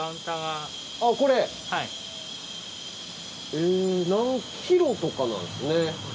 え何ｋｇとかなんですね。